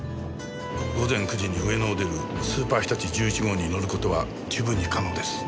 午前９時に上野を出るスーパーひたち１１号に乗る事は十分に可能です。